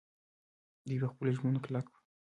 دوی په خپلو ژمنو کلک وو.